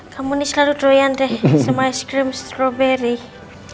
kamu ini selalu draw yang deh sama ice cream strawberry